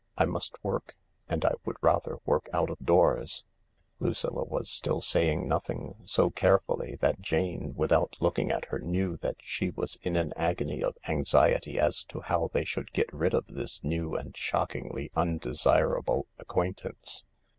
I must work. And I would rather work out of doors." Lucilla was still saying nothing so carefully that Jane, without looking at her, knew that she was in an agony of anxiety as to how they should get rid of this new and shockingly undesirable acquaintance.